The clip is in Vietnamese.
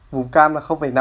vùng cam là năm